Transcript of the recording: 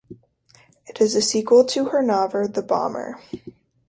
It is a sequel to her novel "The Bomber".